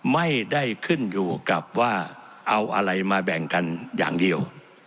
ไม่ได้ขึ้นอยู่กับว่าเอาอะไรมาแบ่งกันอย่างเดียว